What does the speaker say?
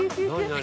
何？